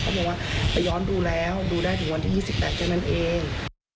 เข้าบอกว่าไปย้อนดูแล้วดูได้ถึงวัน๒๘เกี่ยวนั้นเอง